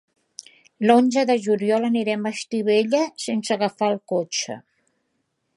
L'onze de juliol anirem a Estivella sense agafar el cotxe.